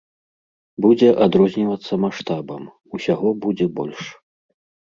Будзе адрознівацца маштабам, усяго будзе больш.